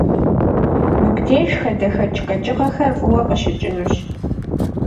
Мыбдеж хадэхэкӀ къэкӀыгъэхэр фӀыуэ къыщыкӀынущ.